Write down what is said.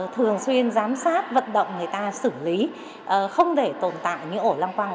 thường xuyên giám sát vận động người ta xử lý không để tồn tại những ổ lăng quang